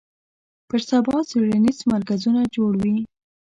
پر سبا څېړنیز مرکزونه جوړ وي